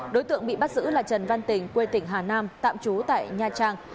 đối tượng bị bắt giữ là trần văn tình quê tỉnh hà nam tạm trú tại nha trang